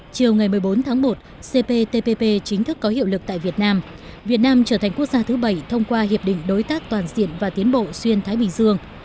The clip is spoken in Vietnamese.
chiều ngày một mươi bốn tháng một cptpp chính thức có hiệu lực tại việt nam việt nam trở thành quốc gia thứ bảy thông qua hiệp định đối tác toàn diện và tiến bộ xuyên thái bình dương